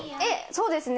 そうですね。